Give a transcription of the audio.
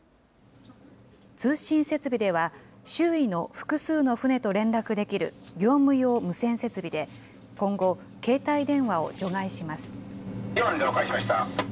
通信設備では、周囲の複数の船と連絡できる業務用無線設備で、今後、携帯電話を除外します。